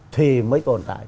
thì mới tồn tại